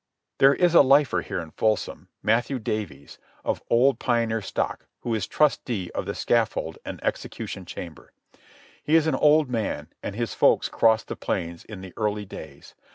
There is a lifer here in Folsom, Matthew Davies, of old pioneer stock, who is trusty of the scaffold and execution chamber. He is an old man, and his folks crossed the plains in the early days.